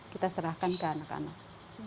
kita serahkan ke anak anak